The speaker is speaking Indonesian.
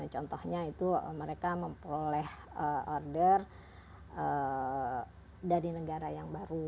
contohnya itu mereka memperoleh order dari negara yang baru